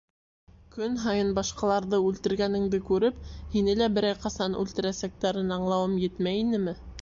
Көн һайын башҡаларҙы үлтергәнеңде күреп, һине лә берәй ҡасан үлтерәсәктәрен аңлауым етмәй инеме?